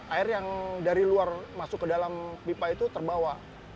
air yang dari luar masuk ke dalam pipa itu terbawa